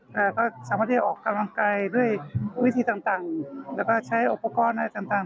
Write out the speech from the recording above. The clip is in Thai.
แต่ก็สามารถที่จะออกกำลังกายด้วยวิธีต่างแล้วก็ใช้อุปกรณ์อะไรต่าง